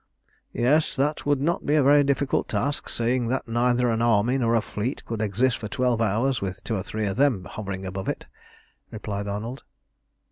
"Yes, that would not be a very difficult task, seeing that neither an army nor a fleet could exist for twelve hours with two or three of them hovering above it," replied Arnold.